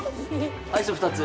アイス２つ。